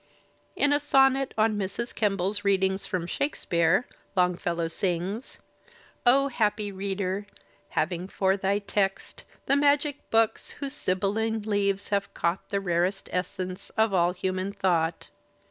In a sonnet "On Mrs. Kemble's Readings from Shakespeare" Longfellow sings: O happy reader! having for thy text The magic book whose sibylline leaves have caught The rarest essence of all human thought.